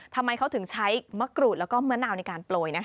ทำไมเขาถึงใช้มะกรูดแล้วก็มะนาวในการโปรย